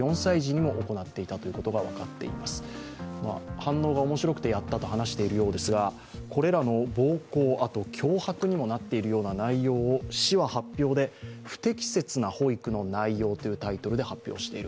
反応が面白くてやったと話しているようですがこれらの暴行、脅迫にもなっているような内容を市は発表で、不適切な保育の内容で発表している。